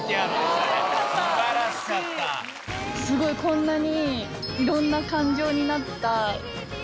すごいこんなに。